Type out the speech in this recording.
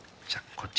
こっち